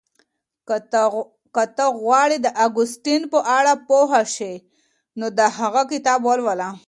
که ته غواړې د اګوستين په اړه پوه شې نو د هغه کتاب ولوله.